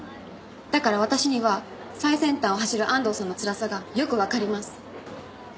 だから私には最先端を走る安藤さんのつらさがよくわかります。